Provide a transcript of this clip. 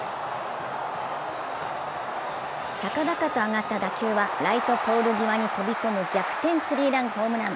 高々と上がった打球はライトポール際に飛び込む逆転スリーランホームラン。